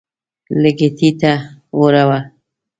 لږ یې ټیټه وړوه.